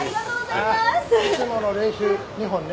いつもの冷酒２本ね。